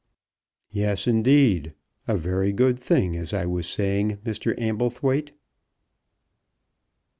"Yes, indeed. A very good thing, as I was saying, Mr. Amblethwaite."